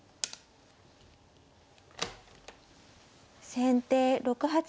先手６八玉。